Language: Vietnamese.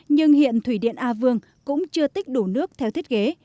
nhưng hiện thủy điện a vương cũng chưa tích đủ nước theo thiết kế